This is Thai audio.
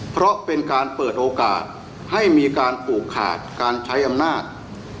เพราะเป็นการเปิดโอกาสให้มีการผูกขาดการใช้อำนาจ